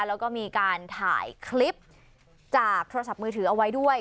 แล้วก็มีการถ่ายคลิปจากโทรศัพท์มือถือเอาไว้ด้วย